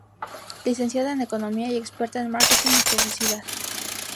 Licenciada en economía y experta en Marketing y Publicidad.